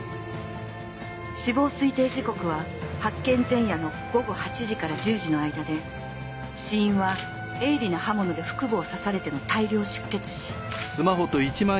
死亡推定時刻は発見前夜の午後８時から１０時の間で死因は鋭利な刃物で腹部を刺されての大量出血死。